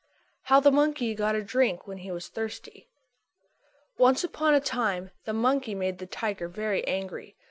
X How the Monkey Got a Drink When He Was Thirsty Once upon a time the monkey made the tiger very angry.